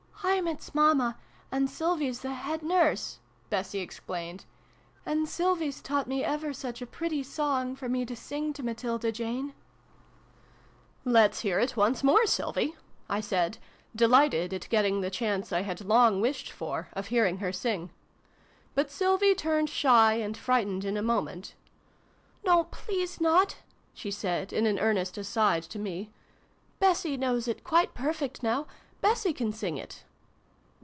" I'm its Mamma, and Sylvie's the Head Nurse," Bessie explained : "and Sylvie's taught me ever such a pretty song, for me to sing to Matilda Jane !" 74 SYLVIE AND BRUNO CONCLUDED. " Let's hear it once more, Sylvie," I said, delighted at getting the chance I had long wished for, of hearing her sing. But Sylvie turned shy and frightened in a moment. " No, please not !" she said, in an earnest ' aside ' to me. " Bessie knows it quite perfect now. Bessie can sing it